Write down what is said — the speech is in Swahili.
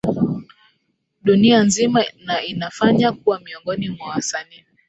Dunia nzima na inafanya kuwa miongoni mwa wasanii